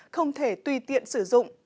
không thể tùy tiện sử dụng